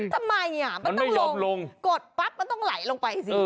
ทำไมมันต้องลงกดปั๊บมันต้องไหลลงไปสิ